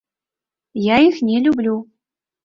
Я іх не люблю.